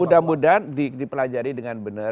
udah mudah dipelajari dengan benar